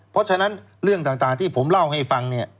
เพราะฉะนั้นเรื่องต่างที่ผมเล่าให้ฟังเนี่ย